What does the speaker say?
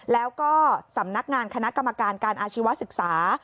แล้วก็สำนักงานคณะกรรมการการอาชีวศึกษา